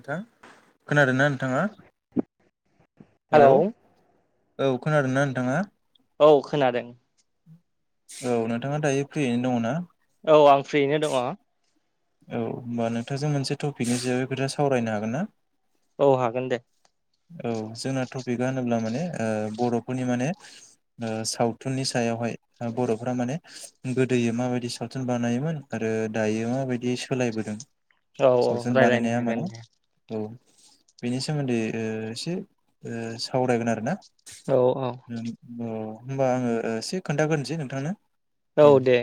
नोंथा खोनादोंना नोंथाङा हेलौ औ खोनादोंना नोंथाङा? औ खोनादों। औ नोंथाङा दायो फ्रियैनो दङ' ना? औ आं फ्रियैनो दङ' औ होमबा नोंथांजों मोनसे टपिकनि सारांश खोथा सावरायनो हागोन ना? औ हागोन दे औ जोंना टपिकआ होनोब्ला माने ओ बर'फोरनि माने ओ सावथुननि सायाव बर'फोरा माने गोदोयै माबायदि सावथुन बानायोमोन आरो दायो मा बायदि बे सोलायबोदों औ औ सावथुन रायलायनो बानायनाया हागोन माने दे औ बेनि सोमोन्दै एसे सावरायगोन आरो ना औ औ अ होमबा आङो एसे खोन्थाग्रोसै नोंथांनो औ दे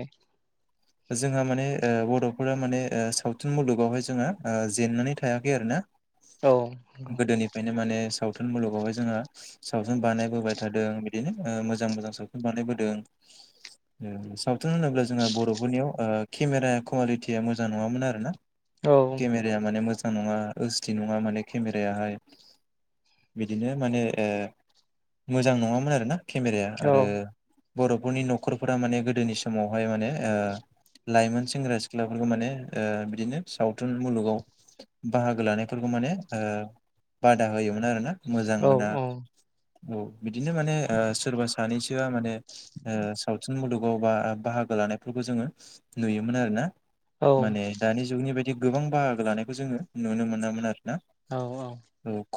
जोंहा माने ओ बड' फोर माने सावथुन मुलुगावहाय जोङो जेननानै थायाखै आरो ना औ गोदोनिफ्रायनो माने साउथ सावथुन मुलुगावहाय जोंहा सावथुन बानायबोबाय थादों बिदिनो मोजां मोजां सावथुन बानायबोदों सावथुन होनोब्ला जोंहा बर'फोरनियाव ओ केमेरा कवालिटि मोजां नङामोन आरोना औ केमेराया माने मोजां। मोजां नङा ओटसडि नङा माने केमेरायाहाय बिदिनो माने ओ मोजां नङामोन आरोना केमेराया आरो बर'फोरनि न'खरफोरा माने गोदोनि समावहाय माने ओ लाइमोन सेंग्रा सिख- ख्लाफोरखौ माने ओ बिदिनो सावथुन मुलुगाव बाहागो लानायफोरखौ माने ओ बादा होयोमोन आरो ना मोजां औ मोना औ बिदिनो माने ओ सोरबा सानैसोआ माने ओ सावथुन मुलुगाव बा बाहागो लानायफोरखौ जोङो नुयोमोन आरोना औ माने दानि जुगनि बायदि गोबां बाहागो लानायखौ जोङो नुनो मोनामोन आरो औ औ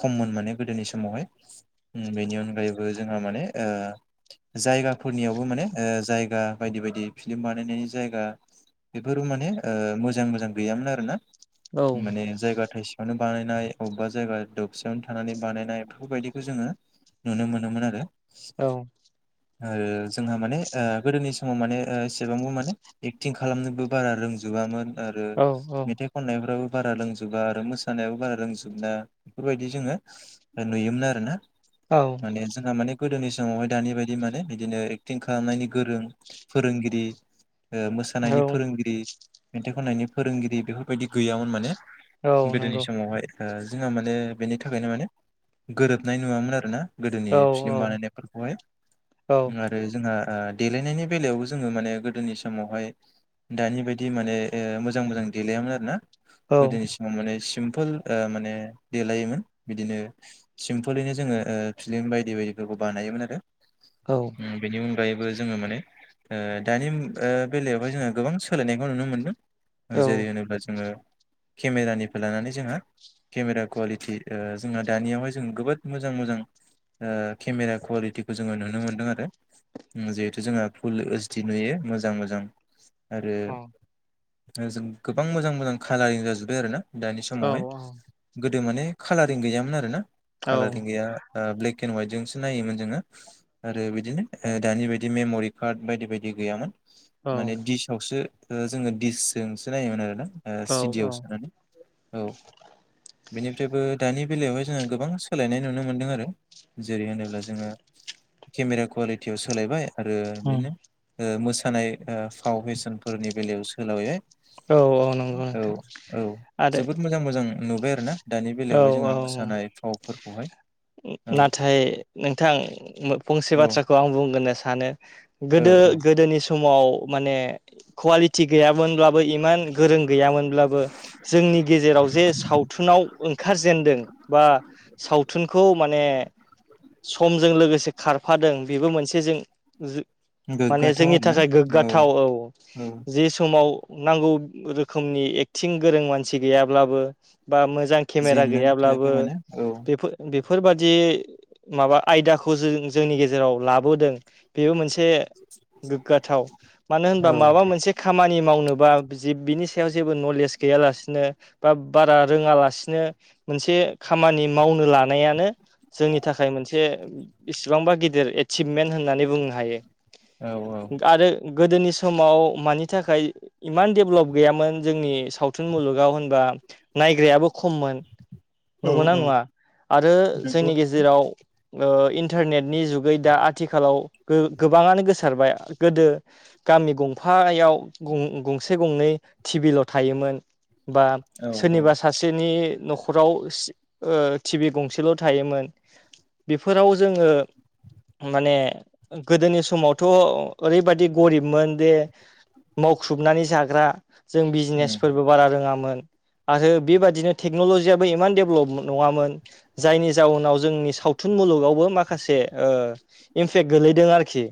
खममोन माने गोदोनि समावहाय उम बेनि अनगायैबो जोंहा माने जायागा- फोरनियावबो माने ओ जायगा बायदि बायदि फिलिम बानायनायनि जायगा। बेफोरबो माने ओ मोजां मोजां गैयामोन आरोना माने जायगा थाइसे- यावनो बानायनाय अबेबा जायगा दबसेयावनो थानानै बानायनाय बेफोरबायदिखौ जोङो नु'नो मोनमोन आरो औ ओ जोंहा माने ओ गोदोनि समाव माने ओ एसेबांबो माने एक्टिं खालामनोबो बारा रोंजोबामोन आरो मेथाइ खननायफ्राबो बारा लोंजोबा आरो मोसानायाबो बारा रोंजोबना बेफोरबायदि जोङो नुयोमोन आरो ना औ माने जोंहा माने गोदोनि समावहाय दानि बायदि माने बिदिनो एक्टिं खालामनायनि गोरों फोरोंगिरि ओ मोसानायनि औ फोरोंगिरि मेथाइ खननायनि फोरोंगिरि बेफोरबायदि गैयामोन माने औ गोदोनि नंगौ समावहाय ओ जोंहा माने बेनि थाखायनो माने गोरोबनाय नुवामोन आरो ना गोदोनि औ औ फिल्म बानायनायफोरखौहाय औ उं आरो जोंहा ओ देलायनायनि बेलायावबो जोङो माने गोदोनि समावहाय दानि बायदि माने ओ मोजां मोजां देलायामोन आरो ना औ गोदोनि समाव माने सिम्पोल ओ माने देलायोमोन बिदिनो सिम्पोलैनो जोङो ओ फिलिम बायदि बायदि फोरखौ बानायोमोन आरो औ उम बेनि अनगायैबो जोङो माने दानि ओ बेलायावहाय जोङो गोबां सोलायनायखौ नुनो मोनदों औ जेरै होनोब्ला जोङो केमेरानिफ्राय लानानै जोंहा केमेरा कुवालिटि ओ जोंहा दानियावहाय जों गोबोद मोजां मोजां ओ केमेरा कुवालिटिखौ जोङो नुनो मोनदों आरो जिहेथु जोंहा फुल ओसडि नुयो मोजां मोजां। आरो जों गोबां मोजां मोजां कालारिं जाजोब्बाय आरो ना दानि औ समावहाय औ गोदो माने कालारिं गैयामोन आरोना कालारिं गैया ओ ब्लेक एन्ड वाइट जोंसो नायोमोन जोङो आरो बिदिनो ओ दानि बायदि मेमरि कार्ट बायदि बायदि गैयामोन माने डिसावसो जोङो डिसजोंसो नायोमोन आरोना ओ औ सिडियाव सोनानै औ बेनिफ्रायबो दानि बेलायावहाय जोङो गोबां सोलायनाय नुनो मोनदों आरो जेरै होनोब्ला जोङो केमेरा कुवालिटियाव सोलायबाय आरो बिदिनो ओ मोसानाय ओ फाव फेसनफोरनि बेलायाव सोलावैबाय नंगौ औ नोंथां औ आरो जोबोद मोजां मोजां नुबाय आरो ना दानि बेलायावहाय औ जोंहा औ मोसानाय फावफोरखौहाय औ नाथाय नोंथां मो फंसे औ बाथ्राखौ आं बुंगोरनो- सानो औ गोदो औ गोदोनि स- समाव माने कुवालिटि गैयामोनब्लाबो इमान गोरों गैयामोनब्लाबो जोंनि गेजेराव जे सावथुनाव ओंखारजेनदों बा सावथुनखौ माने समजों लोगोसे खारफादों बेबो मोनसे जों जो माने गोग्गाथाव जोंनि आरोना थाखाय गोग्गाथाव औ औ जि समाव नांगौ रोखोमनि एक्टिं गोरों मानसि गैयाब्लाबो बा मोज केमेरा जेननानै थायाखै गैयाब्लाबो माने औ बेफोर बेफोरबादि माबा आयदाखौ जों जोंनि गेजेराव लाबोदों बेबो मोनसे औ माबा मोनसे खानि मावनो बा बिनि सायाव जेबो नलेज गैयालासिनो बा बारा रोङालासिनो बिनो मोनसे खामानि मावनो लानायानो जोंनि थाखाय मोनसे इसिबांबा गिदिर एसिभमेन्ट होननानै बुंनो हायो औ आरो गोदोनि समाव मानि थाखाय इमान डेभलप गैयामोन जोंनि सावथुन मुलुगाव होनबा नाइग्रायाबो खममोन औ नंगौना नंङा आरो नंगौ जोंनि नोंथां गेजेराव इन्टारनेटनि जुगै दा आथिखालाव गोबांङानो गोसारबाय गोदो गामि गंफायाव गसे गंनै टिभिल' थायोमोन बा औ औ सोरनिबा सासे आंनि नखराव टिभ गंसेल' थायोमोन। बेफोराव जोंङो माने गोदोनि समावथ' ओरैबाददि गरिबमोन जे मावख्रुबनानै जाग्रा जों उम बिजनेसफोरबो बारा रोङांमोन आरो बेबायाददि बिनो टेन'जियआबो इमान डेभेलप नंङामोन जायनि जाउनाव जोंनि सावथुन मुलुगावबो माखासे इमपेक् गोलैदों आरोखि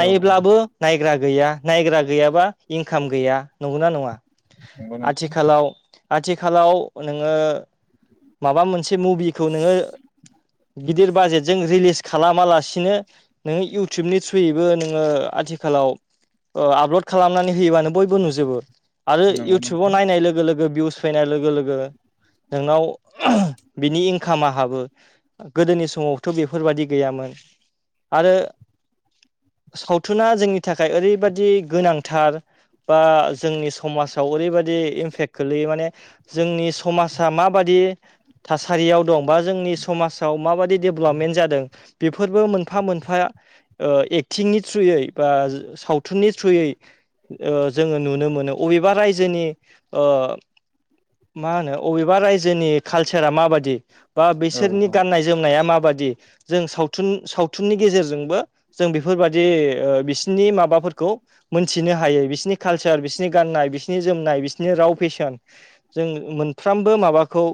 औ औ नायग्रा गैया नायग्रा गैयाबा इनकाम गैया नंगौना नंङा नंगौ नोंथां आथिखालाव आथिखालाव नोंङो माबा मोनसे मुभिखौ नोंङो गिदिर बाजेटजों रिलिस खालामालासिनो नोंङो इउटुबनि थ्रुयैबो नोंङो आथिखालाव आपल'ड खालामनानै होयोबानो बयबो नुजोबो आरो नंगौ इयउटुबाव नोंथां नायनाय लोगो लोगो भिउस फैनाय लोगो लोगो नोंनाव बिनि इंकामा हाबो गोदोनि समावथ' बेफोरबायाददि गैयामोन। आरो सावथुना जोंनि थाखाय ओरैबायदि गोनांथार बा जोंनि समाजाव ओरैबायदि इम्पेक्ट खोलैयो माने जोंनि समाजा माबादि थासारियाव दं बा जोंनि समाजाव माबायदि डेभेलपमेन्ट जादों बेफोरबो मोनफा मोनफा ओ एक्टिंनि थ्रुयै बा सावथुननि थ्रुयै ओ जोङो नुनो मोनो अबेबा रायजोनि ओ मा होनो अबेबा रायजोनि कालसारा माबादि बा औ बिसोरनि औ गाननाय जोमनाया माबादि जों सावथुन सावथुननि गेजेरजोंबो जों बेफोरबायदि ओ बिसिनि माबाफोरखौ मोनथिनो हायो बिसिनि कालसार बिसिनि गाननाय बिसिनि जोमनाय बिसिनि राव फेसन जों मो मोनफ्राबो माबाखौ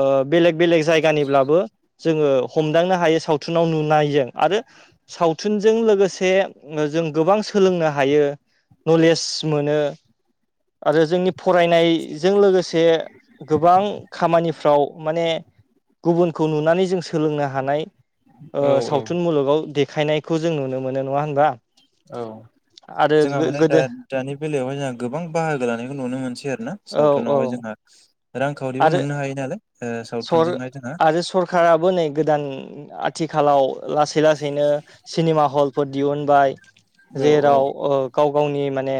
ओ बेलेग बेलेग जायगानिब्लाबो जोंङो हमदांनो हायो सावथुनाव नुनायजों आरो सावथुनजों लोगोसे जो जों गोबां सोलोंनो हायो नलेज मोनो आरो जोंनि फरायनायजों लोगोसे गोबां खामानि फ्राव माने गुबुनखौ नुनानै जों सोलोंनो हानाय औ औ सावथुन मुलुगाव देखायनायखौ जों नुनो मोनो। नंङा होनबा? औ आरो जोंहा माने दा गोदो दानि बेलायावहाय जोंहा गोबां बाहागो लानायखौ नुनो मोनसै आरोना औ औ सावथुनावहाय जोंहा। रांखावरिबो आरो मोननो हायो नालाय ओ सर सावथुनजोंहाय जोंहा आरो सरखाराबो नै गोदान आ आथिखालाव लासै लासैनो सिनेमा हलफोर दिहुनबाय। औ जेराव औ ओ गाव गावनि माने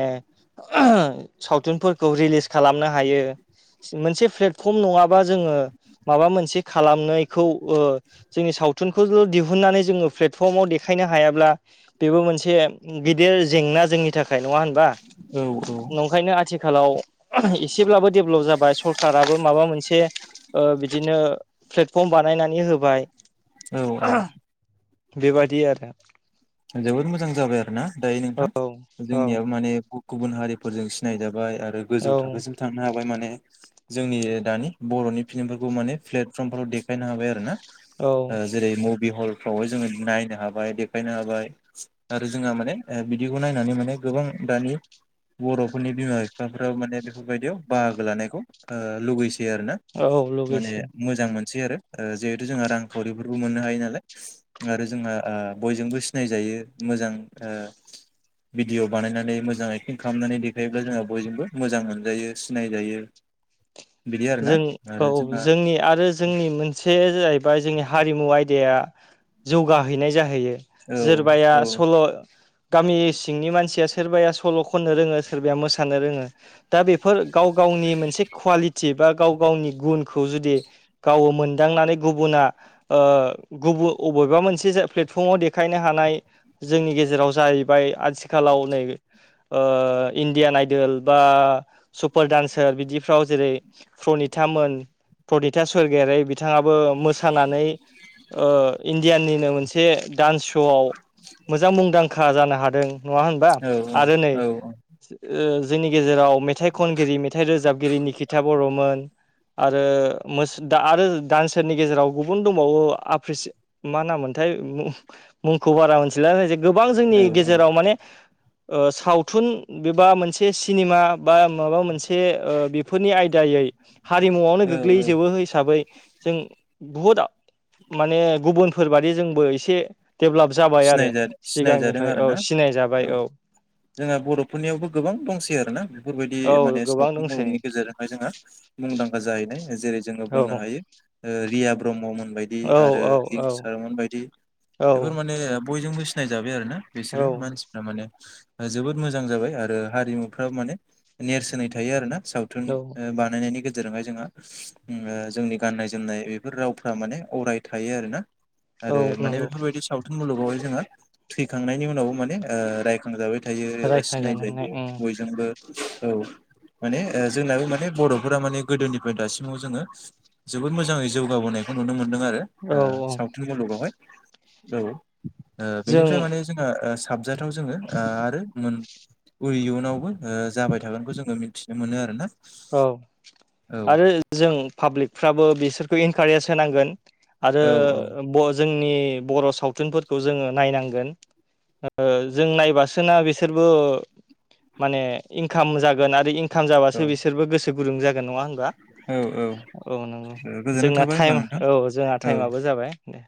सावथुनफोरखौ रिलिस खालामनो हायो मोनसे प्लेटफर्म नङाबा जोंङो माबा मोनसे खालामनायखौ ओ जोंनि सावथुनखौल' दिहुननानै जोंङो प्लेटफर्माव देखाय नो हायाब्ला बेबो मोनसे गिदिर जेंना जोंनि था खाय नंङा होनबा? औ नंखायनो आथिखालाव एसेब्लाबो डेभेलप जाबाय सर माबा मोनसे ओ बिदिनो प्टेफर्म बानायनानै होबाय। औ औ। बेबादि आरो। जोबोद मोजां जाबाय आरो ना दायो औ नोंथां औ जोंनियाबो माने गुबुन हारिफोरजों सिनाय जा बाय आरो गोजौ औ थाखोसिम थांनो हाबाय माने जोंनि दानि बर'नि फिल्मफोरखौ माने प्लेटफर्मफोराव देखायनो हाबाय आरो ना औ ओ जेरै मुभि हल फ्रावहाय जोङो नायनो हाबाय देखायनो खौहाय आरो जोंहा माने ओ बिदिखौ नायनानै माने गोबां दानि बर'फोरनि बिमा बिफाफोराबो माने बेफोर बायदियाव बाहागो लानायखौ ओ लुगै आरो ना औ माने लुगैसै मोजां मोन सै आरो ओ जिहेतु जोंहा रांखावरिफोरबो मोननो हायो नालाय आरो जोङो ओ बयजोंबो सिनायजायो मोजां ओ भिडिअ' बानायनानै मोजां एक्टिं खामनानै देखायोब्ला जोंहा बयजोंबो मोजां मोनजायो सिनायजायो। [inaudible] जों आरो औ जोंहा जोंनि आरो जोंनि मोनसे जाहैबाय जोंनि हारिमु आयदाया जौगाहैनाय जाहैयो औ सोरबाया औ सल' गामि सिंनि मानसिया सोरबाया सल' खननो रोङो सोरबाया मोसानो रोङो दा बेफोर गाव गाव गावनि मोनसे कवालि टि बा गाव गावनि गुनखौ जुदि गाव मोनदांनानै गुबुना ओ गु [unintelligible] अबेबा मोनसे जे प्लेटफर्माव देखायनो हानाय जोंनि गेजेराव जाहैबाय आथिखालाव ओ इण्डियान आइडोल बा सुपार डानसार बिदिफ्राव जेरै प्रनिता मोन प्रनिता स्वरगयारि बिथाङाबो मोसानानै ओ इण्डियाननिनो मोनसे डान्स श'आव मोजां मुंदांखा जानो हादों नङा होनबा? औ आरो नै औ जोंनि गेजेराव मेथाइ खनगिरि मेथाइ रोजाबगिरि निकिथा बर'मोन आरो आरो दान्सारनि गेजेराव गुबुन दंबावो आप्रिसिं मा नाम मोनथाय थाय मुंखौ बारा मोनथिला जे गोबां जोंनि औ औ गेजेराव माने ओ सावथुन बेबा मोनसे सिनेमा बा माबा मोनसे फोरनि आयदायै हारिमुआवनो औ औ गोग्लैजोबो हिसाबै जों बुहुद माने गुबुनफोर बादि जोंबो एसे डेभेलप जाबाय आरो सिनायजा सिगांनिफ्राय औ सिनाय जाबाय औ जोंङो बर'फोरनियावबो गोबां दंसै आरोना बेफोर बायदि औ दि माने गोबां सावथुन दंसै मुलुगनि गेजेरजोंहाय जोंहा मुंदांखा जाहैनाय जेरै जोङो औ बुंनो हायो ओ रिया ब्रह्ममोन बायदि औ आरो औ लिंसारमोन बायदि। औ बेफोर ओ बयजोंबो सिनायजाबाय आरो ना बिसोरो औ मानसिफ्रा माने जोबोद मोजां जाबाय आरो हारिमुफ्रा माने नेरसोनै थायो आरो ना। सावथुन औ ओ बानायनायनि गेज जेरावहाय जोंहा ओम ओ जोंनि गाननाय जोमनाय बेफोर रावफ्रा माने अराय थायो आरोना। औ आरो माने नंगौ बेफोरणबायदि सावथुन मुलुगावहाय जोंहा थैखांनायनि उनावबो माने ओ रायखांजाबाय थायायो एबा रायखांजानो हानाय सिनायजायो उम बयजोंबो औ माने ओ जोंनाबो माने बर'फोरा माने गोदोनिफ्राय दासिमाव जोङो जोबोद मोजाङै जौगाबोनायखौ नुनो मोन मोनदों आरो औ औ साावथन मुलुगावहाय। औ ओ जों बेनिफ्राय माने जोंहा साबजाथाव जोङो आरो मोन इयुनावबो जाबाय थागोनखौ जोङो मिथिनो मोनो आरोना औ औ आरो जों पाब्लिफ्राबो बिसोरखौ इनकारेज होनांगोन आरो औ ब' जोंनि बर' सावथुनफोरखौ जोङो नायनांगोन ओ जों नायबासोना बिसोरबो माने इनकाम जागोन आरो इनकाम औ जाबासो बिसोरबो गोसो गुदुं जागोन नङा होनबा। औ ओ औ नंगौ। गोजोननाय जोंना थाबाय होमबा टाइम नोंथां औ जोंहा औ टाइमाबो जाबाय। दे।